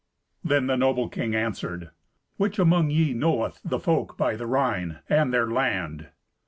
Then the noble king answered, "Which among ye knoweth the folk by the Rhine, and their land?"